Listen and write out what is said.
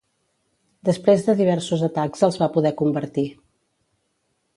Després de diversos atacs els va poder convertir.